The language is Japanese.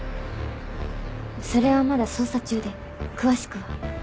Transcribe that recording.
それはまだ捜査中で詳しくは。